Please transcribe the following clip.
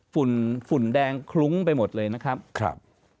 ฝุ่นฝุ่นแดงคลุ้งไปหมดเลยนะครับ